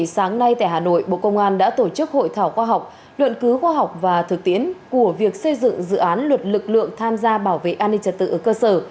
sáng nay tại hà nội bộ công an đã tổ chức hội thảo khoa học luận cứu khoa học và thực tiễn của việc xây dựng dự án luật lực lượng tham gia bảo vệ an ninh trật tự ở cơ sở